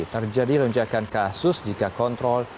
terjadi lonjakan kasus jika kontrol